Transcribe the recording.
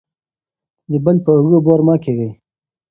د بل په اوږو بار مه کیږئ.